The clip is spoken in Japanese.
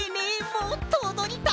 もっとおどりたい！